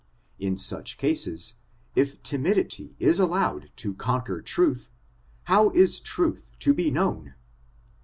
In such cases, if timidity is allowed to conquer truth, how is truth to be known